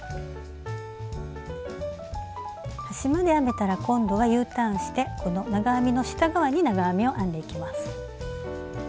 端まで編めたら今度はＵターンしてこの長編みの下側に長編みを編んでいきます。